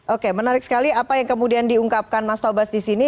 oke menarik sekali apa yang kemudian diungkapkan mas tobas di sini